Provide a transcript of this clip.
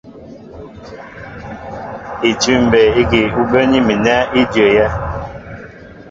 Itʉ̂m mbey ígi ú bə́ə́ní mi nɛ í ndyə́yɛ́.